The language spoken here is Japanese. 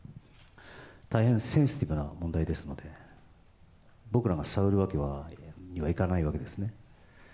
大変センシティブな問題ですので、僕らが探るわけにはいかないわけですね。